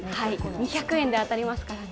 ２００円で当たりますからね。